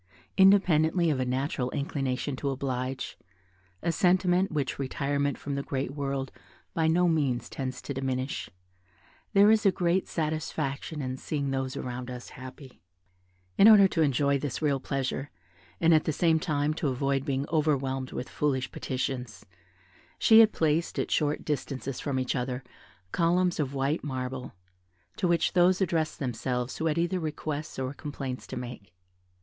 Independently of a natural inclination to oblige, a sentiment which retirement from the great world by no means tends to diminish, there is a great satisfaction in seeing those around us happy. In order to enjoy this real pleasure, and at the same time to avoid being overwhelmed with foolish petitions, she had placed, at short distances from each other, columns of white marble, to which those addressed themselves who had either requests or complaints to make.